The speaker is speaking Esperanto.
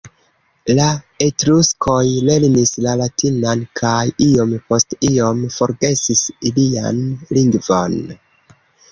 La etruskoj lernis la latinan kaj iom post iom forgesis ilian lingvon.